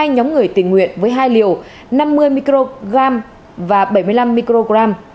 nhóm người tình nguyện với hai liều năm mươi mg và bảy mươi năm mg